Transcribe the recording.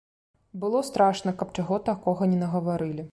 Было страшна, каб чаго такога не нагаварылі.